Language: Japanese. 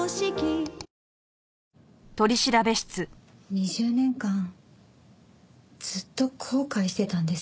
２０年間ずっと後悔してたんです。